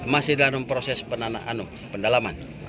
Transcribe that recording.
masih dalam proses pendalaman